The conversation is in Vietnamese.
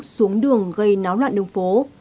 xuống đường gây náo loạn đường phố